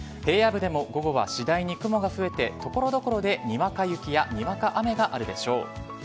平野部でも午後は次第に雲が増えて所々でにわか雪やにわか雨があるでしょう。